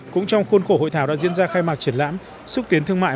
cũng trong khuôn khổ hội thảo đã diễn ra khai mạc triển lãm xúc tiến thương mại